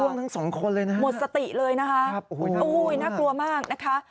ร่วมทั้ง๒คนเลยมุดสติเลยนะคะอู้หุ้ยน่ากลัวมากนะคะ